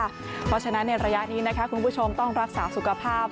เพราะฉะนั้นในระยะนี้นะคะคุณผู้ชมต้องรักษาสุขภาพ